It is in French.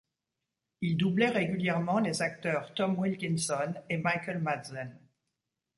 Il doublait régulièrement les acteurs Tom Wilkinson et Michael Madsen.